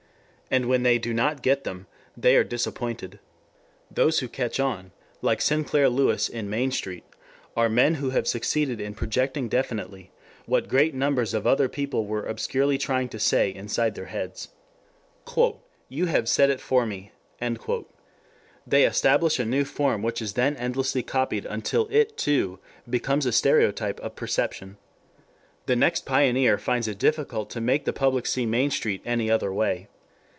And when they do not get them, they are disappointed. Those who catch on, like Sinclair Lewis in "Main Street," are men who have succeeded in projecting definitely what great numbers of other people were obscurely trying to say inside their heads. "You have said it for me." They establish a new form which is then endlessly copied until it, too, becomes a stereotype of perception. The next pioneer finds it difficult to make the public see Main Street any other way.